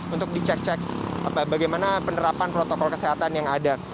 untuk dicek cek bagaimana penerapan protokol kesehatan yang ada